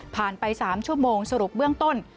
ไป๓ชั่วโมงสรุปเบื้องต้น